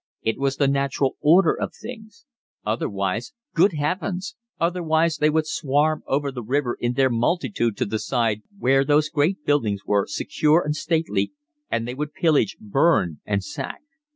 It was the natural order of things. Otherwise, good heavens! otherwise they would swarm over the river in their multitude to the side where those great buildings were, secure and stately, and they would pillage, burn, and sack.